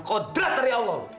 kodrat dari allah